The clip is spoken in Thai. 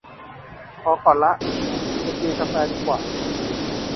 พอก่อนละ ไปกินกาแฟดีกว่า